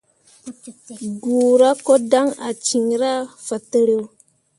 Guura ko dan ah cinra fatǝro.